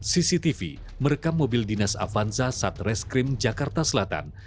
cctv merekam mobil dinas avanza satreskrim jakarta selatan